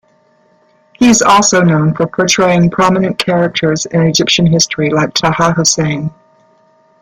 He is also known for portraying prominent characters in Egyptian history like Taha Hussein.